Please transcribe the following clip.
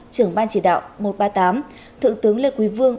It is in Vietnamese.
trưởng ban chỉ đạo một trăm ba mươi tám thượng tướng lê quý vương